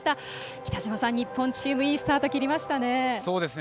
北島さん、日本チームいいスタート切りましたね。